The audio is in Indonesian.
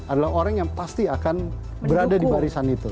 adalah orang yang pasti akan berada di barisan itu